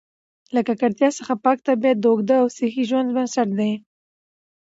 له ککړتیا څخه پاک طبیعت د اوږده او صحي ژوند بنسټ دی.